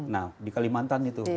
nah di kalimantan itu